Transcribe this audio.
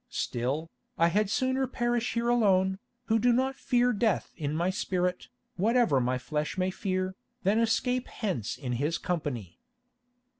Still, I had sooner perish here alone, who do not fear death in my spirit, whatever my flesh may fear, than escape hence in his company."